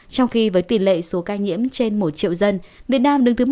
trong khi với tỉ lệ số ca nhiễm trên một triệu dân việt nam đứng thứ một trăm một mươi